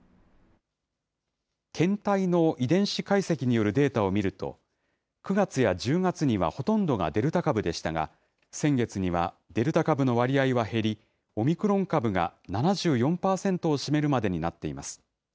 検体の遺伝子解析によるデータを見ると、９月や１０月にはほとんどがデルタ株でしたが、先月にはデルタ株の割合は減り、オミクロン株が７４％を占めるまでになっています。